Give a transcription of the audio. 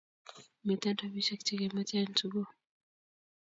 Miten rapishek che kemache en sugul